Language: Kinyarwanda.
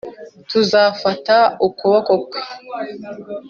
ntuzafata ukuboko kwe